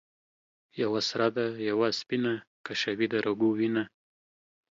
یوه سره ده یوه سپینه ـ کشوي د رګو وینه